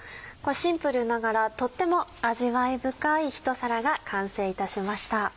シンプルながらとっても味わい深いひと皿が完成いたしました。